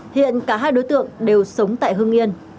hiện cả hai đối tượng đều sống tại hương yên